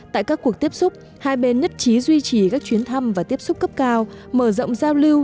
tại các cuộc tiếp xúc hai bên nhất trí duy trì các chuyến thăm và tiếp xúc cấp cao mở rộng giao lưu